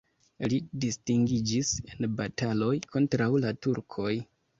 Li distingiĝis en bataloj kontraŭ la turkoj.